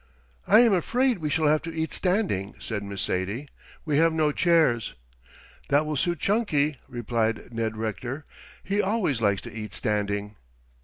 "I am afraid we shall have to eat standing," said Miss Sadie. "We have no chairs." "That will suit Chunky," replied Ned Rector. "He always likes to eat standing."